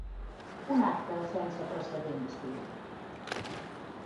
Un acte sense precedents, diu.